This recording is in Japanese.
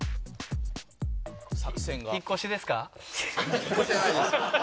引っ越しじゃないです。